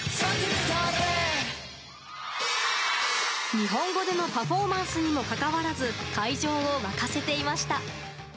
日本語でのパフォーマンスにもかかわらず、会場を沸かせていました。